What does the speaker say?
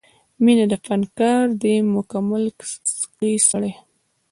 مینه فنکار دی مکمل کړي سړی